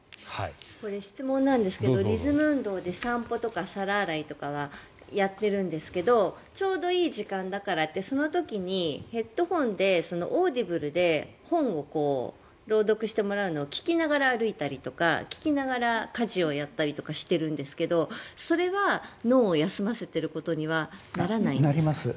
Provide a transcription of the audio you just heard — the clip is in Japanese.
これ質問なんですけどリズム運動で散歩とか皿洗いとかはやってるんですけどちょうどいい時間だからといってその時にヘッドホンでオーディブルで本を朗読してもらうのを聞きながら歩いたりとか聞きながら家事をやったりしているんですがそれは脳を休ませてることにはならないですか。